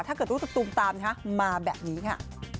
ถ้าเกิดรู้สึกตูมตามมาแบบนี้ค่ะ